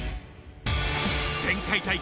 前回大会